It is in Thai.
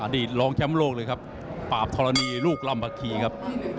ดีตรองแชมป์โลกเลยครับปราบธรณีลูกลำผักคีครับ